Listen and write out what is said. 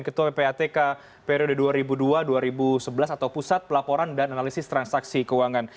ketua ppatk periode dua ribu dua dua ribu sebelas atau pusat pelaporan dan analisis transaksi keuangan